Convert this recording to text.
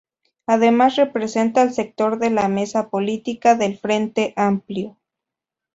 Además representa al sector en la Mesa Política del Frente Amplio.